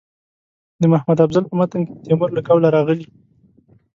د محمد افضل په متن کې د تیمور له قوله راغلي.